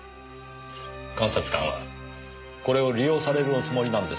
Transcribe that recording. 監察官はこれを利用されるおつもりなんですね？